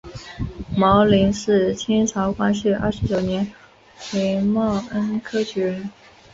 牟琳是清朝光绪二十九年癸卯恩科举人。